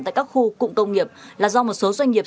tại các khu cụm công nghiệp là do một số doanh nghiệp